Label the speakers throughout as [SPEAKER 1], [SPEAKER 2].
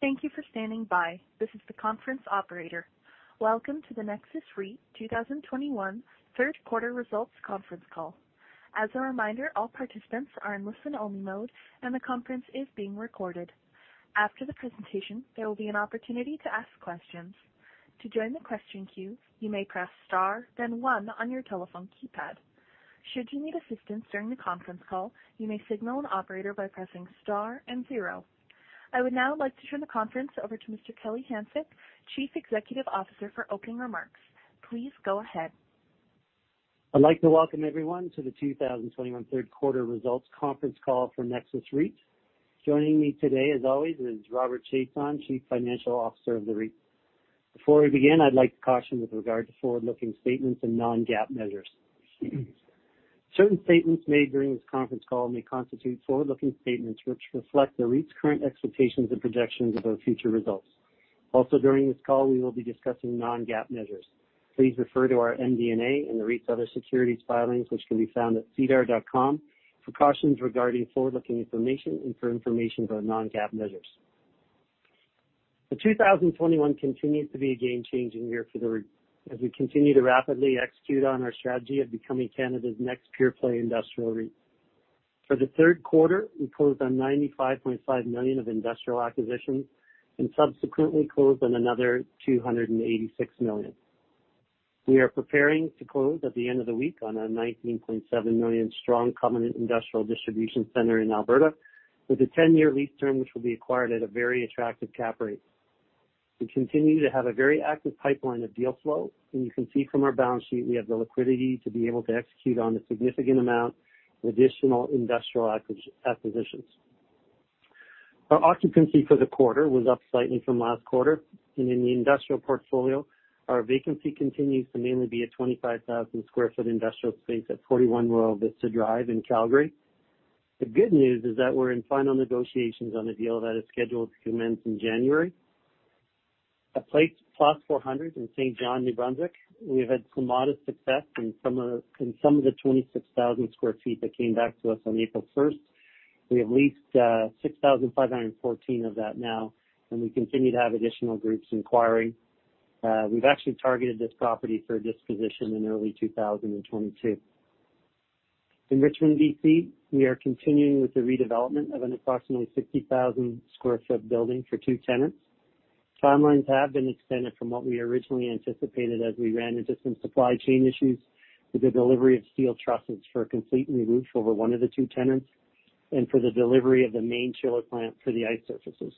[SPEAKER 1] Thank you for standing by. This is the conference operator. Welcome to the Nexus REIT 2021 third quarter results conference call. As a reminder, all participants are in listen-only mode, and the conference is being recorded. After the presentation, there will be an opportunity to ask questions. To join the question queue, you may press star then one on your telephone keypad. Should you need assistance during the conference call, you may signal an operator by pressing star and zero. I would now like to turn the conference over to Mr. Kelly Hanczyk, Chief Executive Officer, for opening remarks. Please go ahead.
[SPEAKER 2] I'd like to welcome everyone to the 2021 third quarter results conference call for Nexus REIT. Joining me today, as always, is Robert Chiasson, Chief Financial Officer of the REIT. Before we begin, I'd like to caution with regard to forward-looking statements and non-GAAP measures. Certain statements made during this conference call may constitute forward-looking statements which reflect the REIT's current expectations and projections about future results. Also, during this call, we will be discussing non-GAAP measures. Please refer to our MD&A and the REIT's other securities filings, which can be found at sedar.com for cautions regarding forward-looking information and for information about non-GAAP measures. The 2021 continues to be a game-changing year for the REIT as we continue to rapidly execute on our strategy of becoming Canada's next pure-play industrial REIT. For the third quarter, we closed on 95.5 million of industrial acquisitions and subsequently closed on another 286 million. We are preparing to close at the end of the week on a 19.7 million strong covenant industrial distribution center in Alberta with a 10-year lease term, which will be acquired at a very attractive cap rate. We continue to have a very active pipeline of deal flow, and you can see from our balance sheet we have the liquidity to be able to execute on a significant amount of additional industrial acquisitions. Our occupancy for the quarter was up slightly from last quarter. In the industrial portfolio, our vacancy continues to mainly be a 25,000 sq ft industrial space at 41 Royal Vista Drive in Calgary. The good news is that we're in final negotiations on a deal that is scheduled to commence in January. At Place 400 in Saint John, New Brunswick, we have had some modest success in some of the 26,000 sq ft that came back to us on April first. We have leased 6,514 of that now, and we continue to have additional groups inquiring. We've actually targeted this property for a disposition in early 2022. In Richmond, B.C., we are continuing with the redevelopment of an approximately 60,000 sq ft building for two tenants. Timelines have been extended from what we originally anticipated as we ran into some supply chain issues with the delivery of steel trusses for a complete new roof over one of the two tenants and for the delivery of the main chiller plant for the ice surfaces.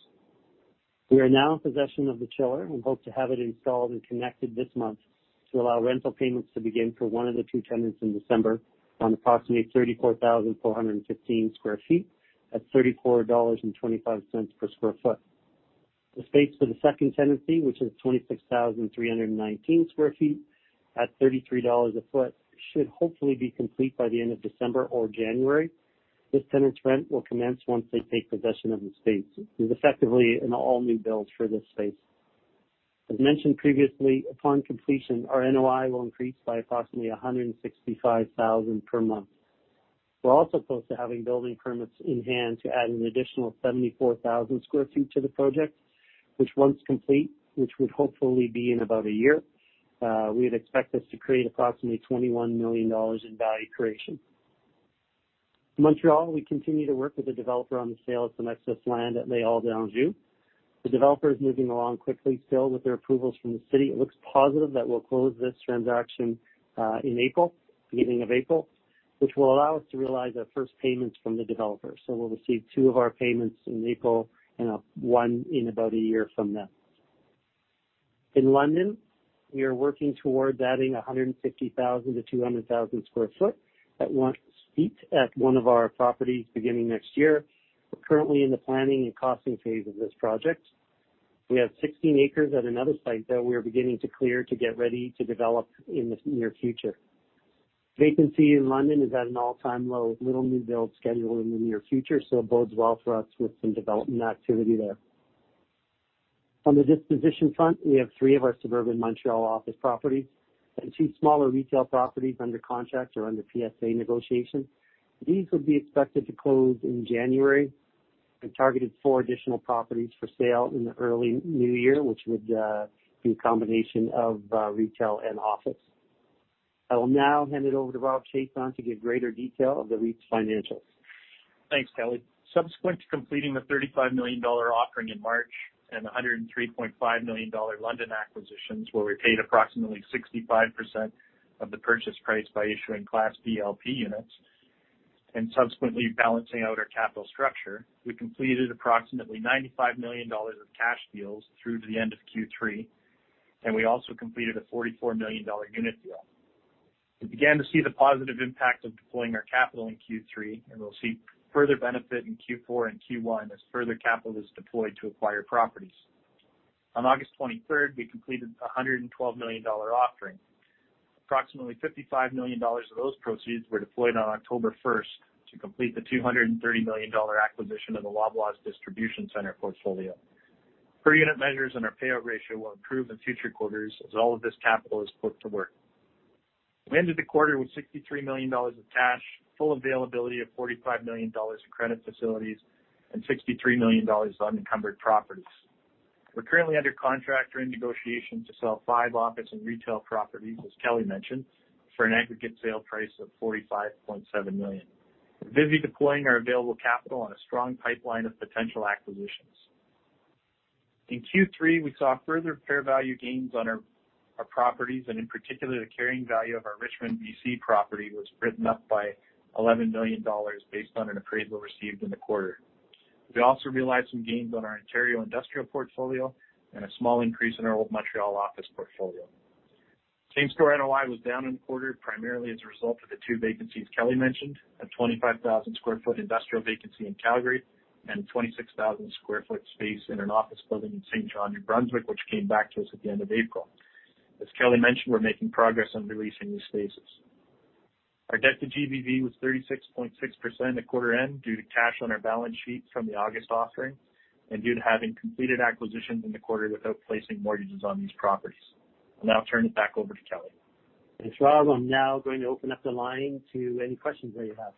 [SPEAKER 2] We are now in possession of the chiller and hope to have it installed and connected this month to allow rental payments to begin for one of the two tenants in December on approximately 34,415 sq ft at 34.25 dollars per sq ft. The space for the second tenancy, which is 26,319 sq ft at 33 dollars a foot, should hopefully be complete by the end of December or January. This tenant's rent will commence once they take possession of the space. It is effectively an all-new build for this space. As mentioned previously, upon completion, our NOI will increase by approximately 165,000 per month. We're also close to having building permits in hand to add an additional 74,000 sq ft to the project, which once complete, which would hopefully be in about a year, we'd expect this to create approximately 21 million dollars in value creation. Montreal, we continue to work with the developer on the sale of some excess land at Les Halles d'Anjou. The developer is moving along quickly. Still, with their approvals from the city, it looks positive that we'll close this transaction in April, beginning of April, which will allow us to realize our first payments from the developer. We'll receive two of our payments in April and one in about a year from now. In London, we are working towards adding 150,000 sq ft-200,000 sq ft at one of our properties beginning next year. We're currently in the planning and costing phase of this project. We have 16 acres at another site that we are beginning to clear to get ready to develop in the near future. Vacancy in London is at an all-time low, with little new build scheduled in the near future, so it bodes well for us with some development activity there. On the disposition front, we have three of our suburban Montreal office properties and two smaller retail properties under contract or under PSA negotiation. These would be expected to close in January. We've targeted four additional properties for sale in the early new year, which would be a combination of retail and office. I will now hand it over to Rob Chiasson to give greater detail of the REIT's financials.
[SPEAKER 3] Thanks, Kelly. Subsequent to completing the 35 million dollar offering in March and a 103.5 million dollar London acquisitions, where we paid approximately 65% of the purchase price by issuing Class B LP units and subsequently balancing out our capital structure, we completed approximately 95 million dollars of cash deals through to the end of Q3, and we also completed a 44 million dollar unit deal. We began to see the positive impact of deploying our capital in Q3, and we'll see further benefit in Q4 and Q1 as further capital is deployed to acquire properties. On August 23rd, we completed a 112 million dollar offering. Approximately 55 million dollars of those proceeds were deployed on October 1st to complete the 230 million dollar acquisition of the Loblaws distribution center portfolio. Per unit measures and our payout ratio will improve in future quarters as all of this capital is put to work. We ended the quarter with 63 million dollars of cash, full availability of 45 million dollars in credit facilities, and 63 million dollars of unencumbered properties. We're currently under contract or in negotiation to sell five office and retail properties, as Kelly mentioned, for an aggregate sale price of 45.7 million. We're busy deploying our available capital on a strong pipeline of potential acquisitions. In Q3, we saw further fair value gains on our properties, and in particular, the carrying value of our Richmond, B.C. property was written up by 11 million dollars based on an appraisal received in the quarter. We also realized some gains on our Ontario industrial portfolio and a small increase in our Old Montreal office portfolio. Same-store NOI was down in the quarter, primarily as a result of the two vacancies Kelly mentioned, a 25,000 sq ft industrial vacancy in Calgary and a 26,000 sq ft space in an office building in Saint John, New Brunswick, which came back to us at the end of April. As Kelly mentioned, we're making progress on releasing these spaces. Our debt to GBV was 36.6% at quarter end due to cash on our balance sheet from the August offering and due to having completed acquisitions in the quarter without placing mortgages on these properties. I'll now turn it back over to Kelly.
[SPEAKER 2] Thanks, Rob. I'm now going to open up the line to any questions that you have.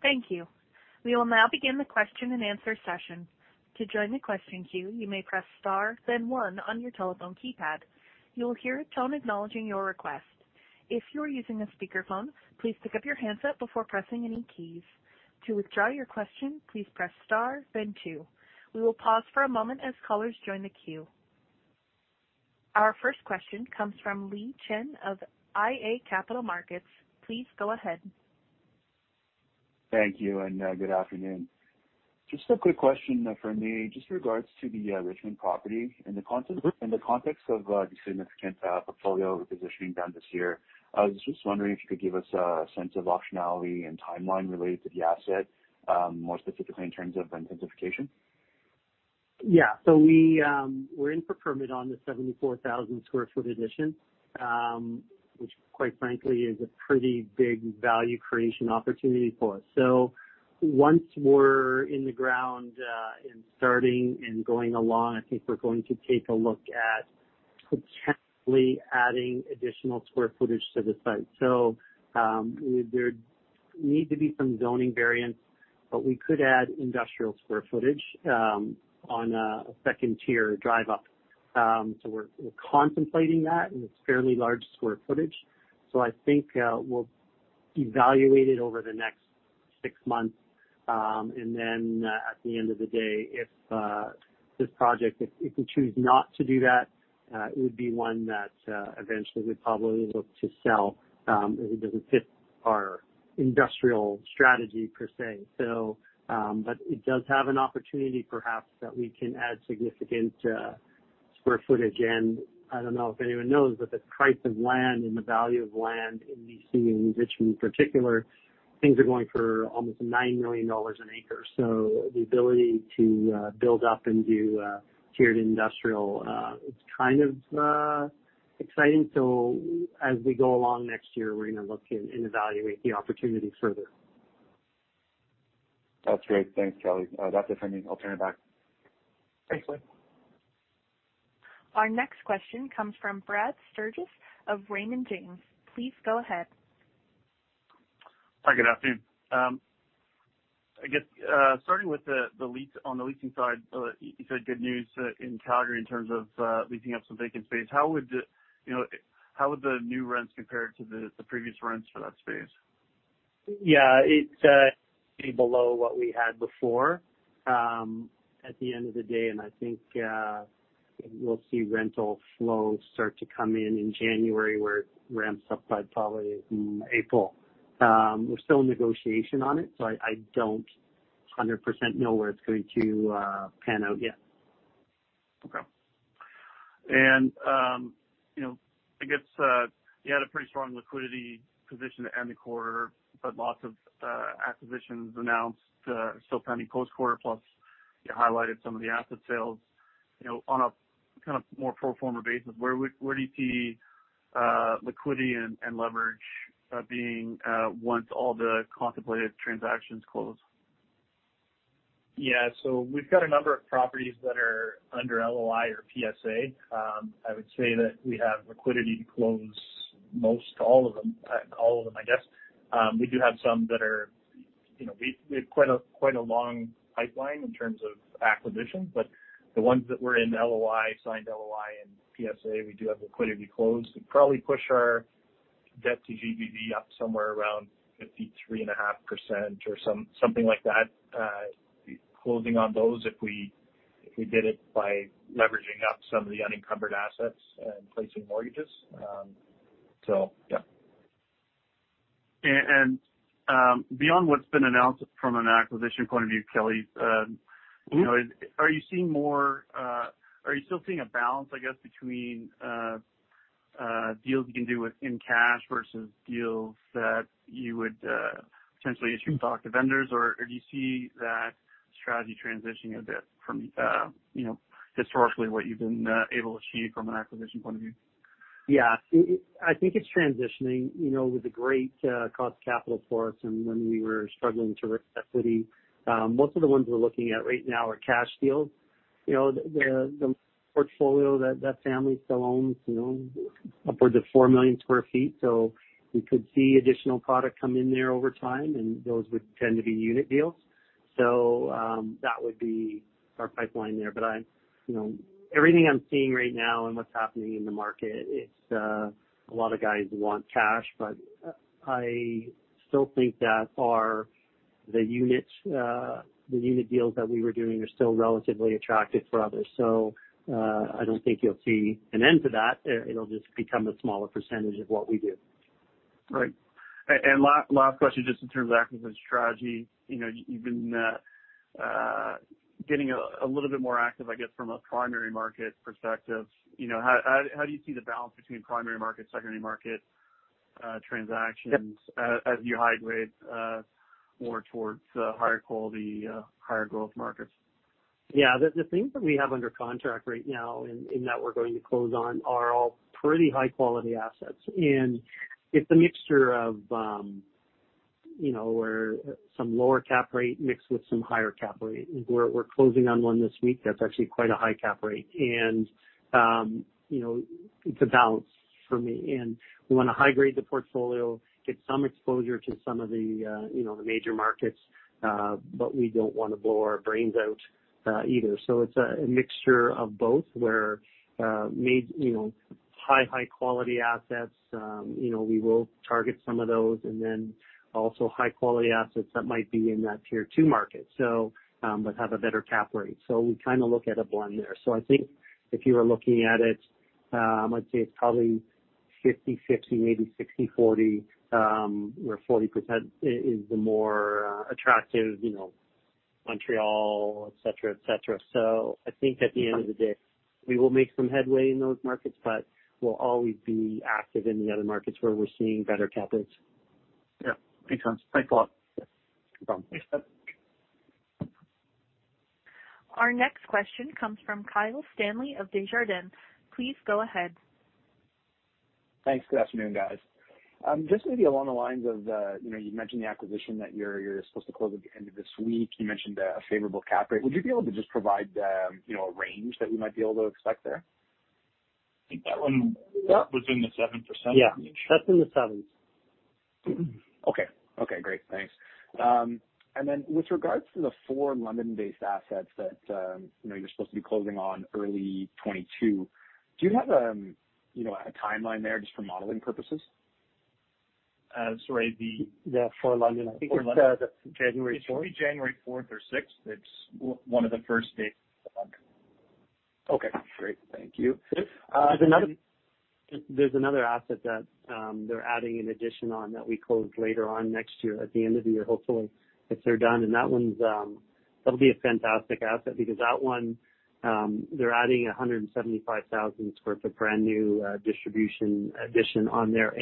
[SPEAKER 1] Thank you. We will now begin the question-and-answer session. To join the question queue, you may press star then one on your telephone keypad. You will hear a tone acknowledging your request. If you are using a speakerphone, please pick up your handset before pressing any keys. To withdraw your question, please press star then two. We will pause for a moment as callers join the queue. Our first question comes from Li Chen of iA Capital Markets. Please go ahead.
[SPEAKER 4] Thank you and good afternoon. Just a quick question from me just regarding the Richmond property. In the context of the significant portfolio repositioning done this year, I was just wondering if you could give us a sense of optionality and timeline related to the asset, more specifically in terms of intensification.
[SPEAKER 2] Yeah. We're in for permit on the 74,000 sq ft addition, which quite frankly is a pretty big value creation opportunity for us. Once we're in the ground and starting and going along, I think we're going to take a look at potentially adding additional square footage to the site. There'd need to be some zoning variants, but we could add industrial square footage on a second-tier drive up. We're contemplating that, and it's fairly large square footage. I think we'll evaluate it over the next six months. Then at the end of the day, if this project, if we choose not to do that, it would be one that eventually we'd probably look to sell, if it doesn't fit our industrial strategy per se. It does have an opportunity perhaps that we can add significant square footage. I don't know if anyone knows, but the price of land and the value of land in B.C., in Richmond in particular, things are going for almost 9 million dollars an acre. the ability to build up and do tiered industrial, it's kind of exciting. As we go along next year we're gonna look and evaluate the opportunity further.
[SPEAKER 4] That's great. Thanks, Kelly. That's it for me. I'll turn it back.
[SPEAKER 2] Thanks, Li.
[SPEAKER 1] Our next question comes from Brad Sturges of Raymond James. Please go ahead.
[SPEAKER 5] Hi, good afternoon. I guess, starting with the leasing side, you said good news in Calgary in terms of leasing up some vacant space. How would you know, how would the new rents compare to the previous rents for that space?
[SPEAKER 2] Yeah, it's below what we had before, at the end of the day, and I think we'll see rental flow start to come in in January, where it ramps up by probably April. We're still in negotiation on it, so I don't 100% know where it's going to pan out yet.
[SPEAKER 5] You know, I guess you had a pretty strong liquidity position to end the quarter, but lots of acquisitions announced, still pending close quarter-plus. You highlighted some of the asset sales, you know, on a kind of more pro forma basis. Where do you see liquidity and leverage being once all the contemplated transactions close?
[SPEAKER 3] Yeah. We've got a number of properties that are under LOI or PSA. I would say that we have liquidity to close most all of them. All of them, I guess. We do have some that are, you know, we have quite a long pipeline in terms of acquisitions. But the ones that were in LOI, signed LOI and PSA, we do have liquidity close. We probably push our debt to GBV up somewhere around 53.5% or something like that, closing on those if we did it by leveraging up some of the unencumbered assets and placing mortgages. Yeah.
[SPEAKER 5] Beyond what's been announced from an acquisition point of view, Kelly, you know, are you still seeing a balance, I guess, between deals you can do within cash versus deals that you would potentially issue stock to vendors? Or do you see that strategy transitioning a bit from, you know, historically, what you've been able to achieve from an acquisition point of view?
[SPEAKER 2] I think it's transitioning, you know, with the great cost of capital for us and when we were struggling to raise equity. Most of the ones we're looking at right now are cash deals. You know, the portfolio that family still owns, you know, upwards of four million sq ft. We could see additional product come in there over time, and those would tend to be unit deals. That would be our pipeline there. You know, everything I'm seeing right now and what's happening in the market, it's a lot of guys want cash, but I still think that our units, the unit deals that we were doing are still relatively attractive for others. I don't think you'll see an end to that. It'll just become a smaller percentage of what we do.
[SPEAKER 5] Right. Last question, just in terms of acquisition strategy. You know, you've been getting a little bit more active, I guess, from a primary market perspective. You know, how do you see the balance between primary market, secondary market, transactions?
[SPEAKER 2] Yep.
[SPEAKER 5] As you high grade more towards higher quality higher growth markets?
[SPEAKER 2] Yeah. The things that we have under contract right now and that we're going to close on are all pretty high quality assets. It's a mixture of, you know, where some lower cap rate mixed with some higher cap rate. We're closing on one this week that's actually quite a high cap rate. You know, it's a balance for me. We wanna high grade the portfolio, get some exposure to some of the, you know, the major markets, but we don't wanna blow our brains out, either. It's a mixture of both, where, you know, high quality assets, you know, we will target some of those and then also high quality assets that might be in that tier two market but have a better cap rate. We kind of look at a blend there. I think if you were looking at it, I'd say it's probably 50/50, maybe 60/40, where 40% is the more attractive, you know, Montreal, et cetera, et cetera. I think at the end of the day, we will make some headway in those markets, but we'll always be active in the other markets where we're seeing better cap rates.
[SPEAKER 5] Yeah. Makes sense. Thanks a lot.
[SPEAKER 2] No problem.
[SPEAKER 5] Thanks. Bye.
[SPEAKER 1] Our next question comes from Kyle Stanley of Desjardins. Please go ahead.
[SPEAKER 6] Thanks. Good afternoon, guys. Just maybe along the lines of, you know, you mentioned the acquisition that you're supposed to close at the end of this week. You mentioned a favorable cap rate. Would you be able to just provide, you know, a range that we might be able to expect there?
[SPEAKER 3] I think that one.
[SPEAKER 2] Yep.
[SPEAKER 3] Was in the 7% range.
[SPEAKER 2] Yeah, that's in the sevens.
[SPEAKER 6] Okay, great. Thanks. With regards to the four London-based assets that, you know, you're supposed to be closing on early 2022, do you have, you know, a timeline there just for modeling purposes?
[SPEAKER 3] Sorry.
[SPEAKER 2] The four London. I think it's January 4th`.
[SPEAKER 3] It should be January 4th or 6th. It's one of the first days of the month.
[SPEAKER 6] Okay, great. Thank you.
[SPEAKER 3] Sure.
[SPEAKER 2] There's another asset that they're adding an addition on that we close later on next year, at the end of the year, hopefully, if they're done. That one's that'll be a fantastic asset because that one they're adding 175,000 sq ft of brand new distribution addition on there.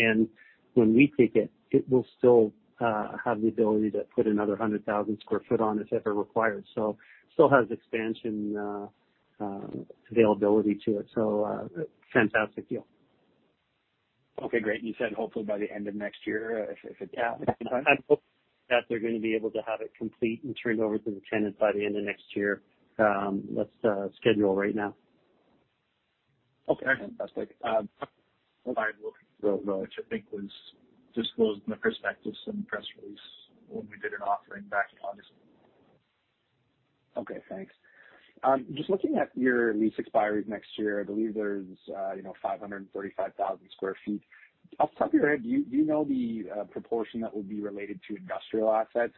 [SPEAKER 2] When we take it will still have the ability to put another 100,000 sq ft on it if it requires. Still has expansion availability to it. Fantastic deal.
[SPEAKER 6] Okay, great. You said hopefully by the end of next year, if it-
[SPEAKER 2] Yeah. I hope that they're gonna be able to have it complete and turned over to the tenant by the end of next year. That's the schedule right now.
[SPEAKER 6] Okay. Fantastic.
[SPEAKER 3] Which I think was disclosed in the prospectus, some press release when we did an offering back in August.
[SPEAKER 6] Okay, thanks. Just looking at your lease expiries next year, I believe there's 535,000 sq ft. Off the top of your head, do you know the proportion that will be related to industrial assets?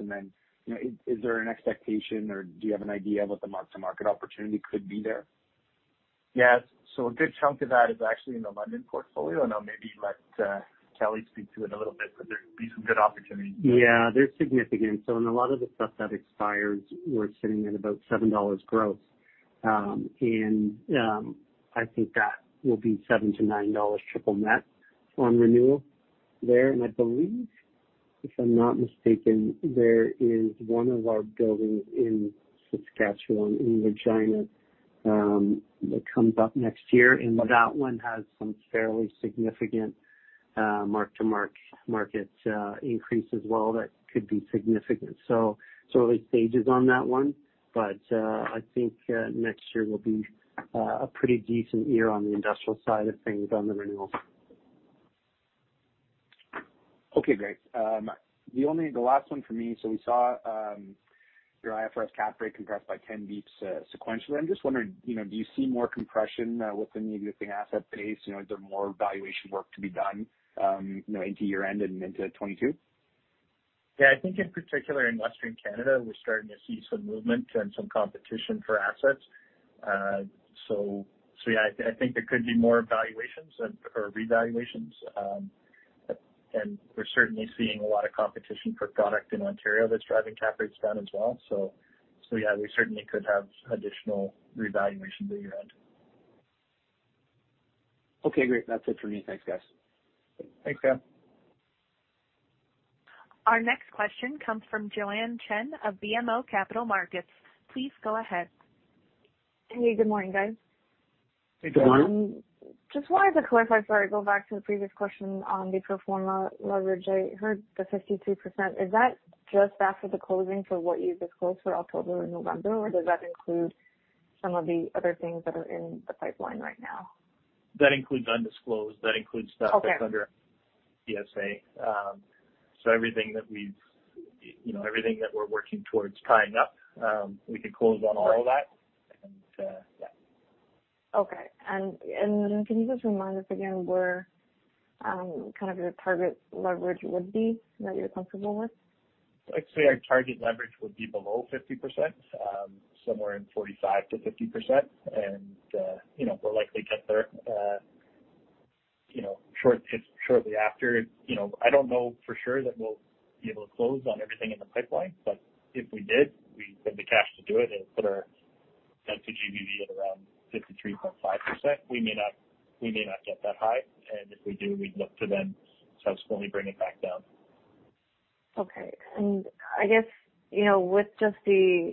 [SPEAKER 6] Is there an expectation or do you have an idea of what the mark-to-market opportunity could be there?
[SPEAKER 3] Yes. A good chunk of that is actually in the London portfolio, and I'll maybe let Kelly speak to it a little bit, but there could be some good opportunities there.
[SPEAKER 2] Yeah, they're significant. In a lot of the stuff that expires, we're sitting at about 7 dollars gross. I think that will be 7-9 dollars triple net on renewal there. I believe, if I'm not mistaken, there is one of our buildings in Saskatchewan, in Regina, that comes up next year, and that one has some fairly significant mark-to-market increase as well that could be significant. Early stages on that one, but I think next year will be a pretty decent year on the industrial side of things on the renewals.
[SPEAKER 6] Okay, great. The last one for me. We saw your IFRS cap rate compressed by 10 bps sequentially. I'm just wondering, you know, do you see more compression within the existing asset base? You know, is there more valuation work to be done, you know, into year-end and into 2022?
[SPEAKER 3] Yeah. I think in particular in Western Canada, we're starting to see some movement and some competition for assets. Yeah, I think there could be more valuations and or revaluations. We're certainly seeing a lot of competition for product in Ontario that's driving cap rates down as well. Yeah, we certainly could have additional revaluations at year-end.
[SPEAKER 6] Okay, great. That's it for me. Thanks, guys.
[SPEAKER 3] Thanks, Kyle.
[SPEAKER 1] Our next question comes from [Julian Chen] of BMO Capital Markets. Please go ahead.
[SPEAKER 7] Hey, good morning, guys.
[SPEAKER 3] Hey, Julian.
[SPEAKER 8] Just wanted to clarify, sorry, go back to the previous question on the pro forma leverage. I heard the 52%. Is that just after the closing for what you disclosed for October and November, or does that include some of the other things that are in the pipeline right now?
[SPEAKER 3] That includes undisclosed stuff.
[SPEAKER 7] Okay.
[SPEAKER 3] That's under PSA. Everything that we've, you know, everything that we're working towards tying up, we could close on all of that.
[SPEAKER 7] Right.
[SPEAKER 3] Yeah.
[SPEAKER 7] Okay. Can you just remind us again where, kind of your target leverage would be that you're comfortable with?
[SPEAKER 3] Actually, our target leverage would be below 50%, somewhere in 45%-50%. We'll likely get there shortly after. You know, I don't know for sure that we'll be able to close on everything in the pipeline, but if we did, we have the cash to do it and put our debt to GBV at around 53.5%. We may not get that high, and if we do, we'd look to then subsequently bring it back down.
[SPEAKER 7] Okay. I guess, you know, with just the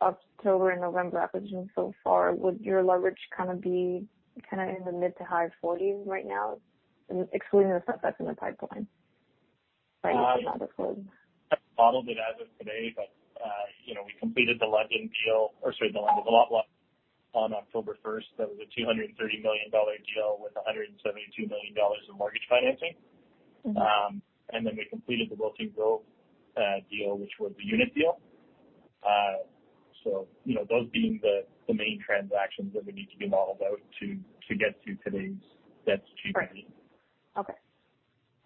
[SPEAKER 7] October and November acquisition so far, would your leverage kind of be in the mid-to-high 40s% right now, excluding the stuff that's in the pipeline that you could not disclose?
[SPEAKER 3] I've modeled it as of today, but, you know, we completed the London deal, or sorry, the London one on October first. That was a 230 million dollar deal with 172 million dollars in mortgage financing.
[SPEAKER 7] Mm-hmm.
[SPEAKER 3] We completed the Wilton Grove deal, which was the unit deal. You know, those being the main transactions that would need to be modeled out to get to today's debt to GBV.
[SPEAKER 7] Right. Okay.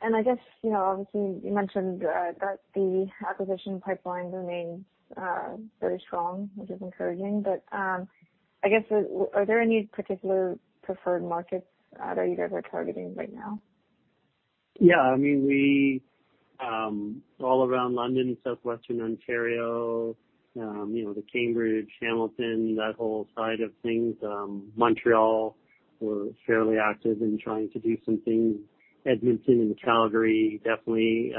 [SPEAKER 7] I guess, you know, obviously you mentioned that the acquisition pipeline remains very strong, which is encouraging. I guess, are there any particular preferred markets that you guys are targeting right now?
[SPEAKER 3] Yeah, I mean, we're all around London, southwestern Ontario, you know, the Cambridge, Hamilton, that whole side of things. Montreal, we're fairly active in trying to do some things. Edmonton and Calgary, definitely.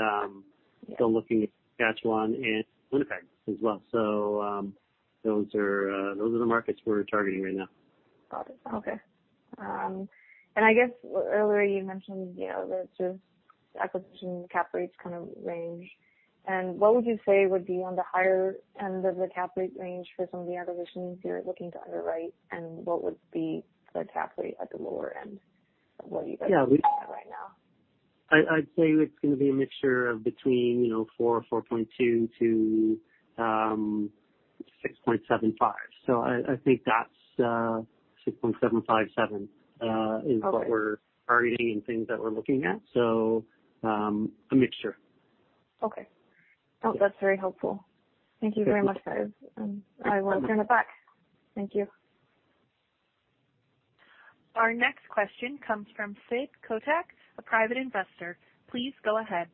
[SPEAKER 3] Still looking at Saskatchewan and Winnipeg as well. Those are the markets we're targeting right now.
[SPEAKER 7] Got it. Okay. I guess earlier you mentioned, you know, the just acquisition cap rates kind of range. What would you say would be on the higher end of the cap rate range for some of the acquisitions you're looking to underwrite, and what would be the cap rate at the lower end of what you guys are looking at right now?
[SPEAKER 3] I'd say it's gonna be a mixture of between, you know, 4.2%-6.75%. I think that's 6.757%.
[SPEAKER 7] Okay.
[SPEAKER 3] is what we're targeting and things that we're looking at. A mixture.
[SPEAKER 7] Okay. That's very helpful. Thank you very much, guys. I will turn it back. Thank you.
[SPEAKER 1] Our next question comes from Saif Kotak, a private investor. Please go ahead.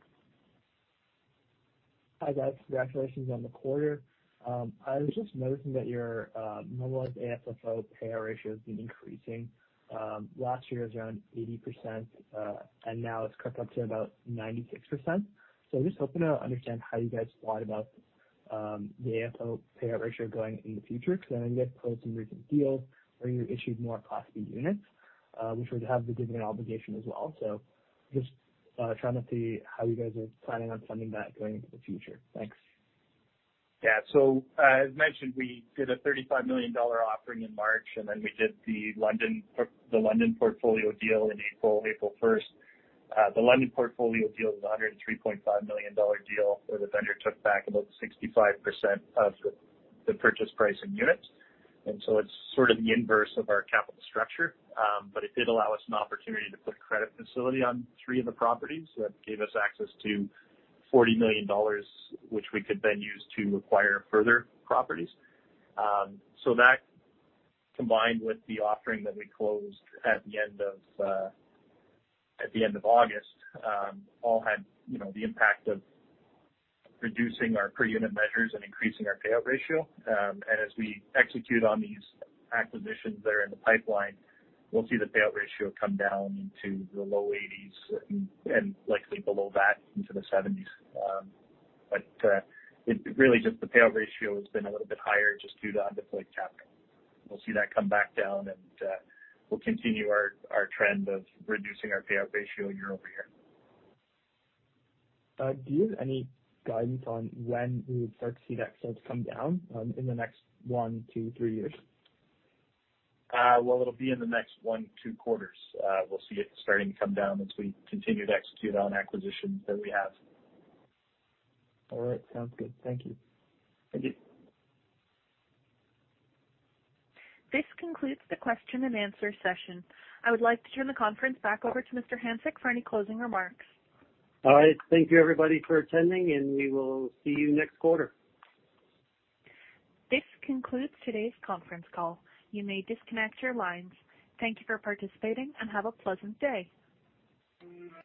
[SPEAKER 9] Hi, guys. Congratulations on the quarter. I was just noticing that your normalized AFFO payout ratio has been increasing. Last year it was around 80%, and now it's crept up to about 96%. Just hoping to understand how you guys thought about the AFFO payout ratio going in the future, because I know you have closed some recent deals where you issued more class B units, which would have the dividend obligation as well. Just trying to see how you guys are planning on funding that going into the future. Thanks.
[SPEAKER 3] Yeah. As mentioned, we did a 35 million dollar offering in March, and then we did the London portfolio deal in April 1. The London portfolio deal was a 103.5 million dollar deal where the vendor took back about 65% of the purchase price in units. It's sort of the inverse of our capital structure. But it did allow us an opportunity to put credit facility on three of the properties. That gave us access to 40 million dollars, which we could then use to acquire further properties. That combined with the offering that we closed at the end of August all had, you know, the impact of reducing our per unit measures and increasing our payout ratio. As we execute on these acquisitions that are in the pipeline, we'll see the payout ratio come down into the low 80% and likely below that into the 70%. It really just the payout ratio has been a little bit higher just due to undeployed capital. We'll see that come back down and we'll continue our trend of reducing our payout ratio year-over-year.
[SPEAKER 9] Do you have any guidance on when we would start to see that sort of come down, in the next one, two, three years?
[SPEAKER 3] Well, it'll be in the next one, two quarters. We'll see it starting to come down as we continue to execute on acquisitions that we have.
[SPEAKER 9] All right. Sounds good. Thank you.
[SPEAKER 3] Thank you.
[SPEAKER 1] This concludes the question and answer session. I would like to turn the conference back over to Mr. Hanczyk for any closing remarks.
[SPEAKER 2] All right. Thank you everybody for attending, and we will see you next quarter.
[SPEAKER 1] This concludes today's conference call. You may disconnect your lines. Thank you for participating and have a pleasant day.